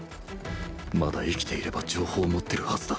まだ生きていれば情報を持ってるはずだ